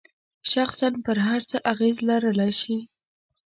شخصاً پر هر څه اغیز لرلای شي.